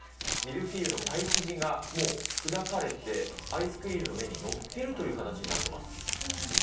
ミルフィーユのパイ生地がもう砕かれて、アイスクリームの上に載ってるという形になってます。